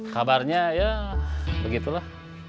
kabarnya ya begitulah